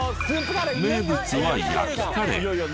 名物は焼きカレー。